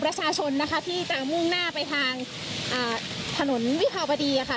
ประชาชนนะคะที่จะมุ่งหน้าไปทางอ่าถนนวิเคราะห์บดีอ่ะค่ะ